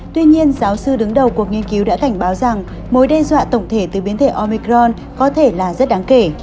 tuy nhiên giáo sư đứng đầu cuộc nghiên cứu đã cảnh báo rằng mối đe dọa tổng thể từ biến thể omicron có thể là rất đáng kể